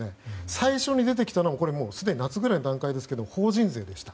最初に出てきたのがすでに夏くらいの段階ですけど法人税でした。